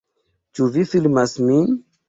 Ĉu vi filmas min?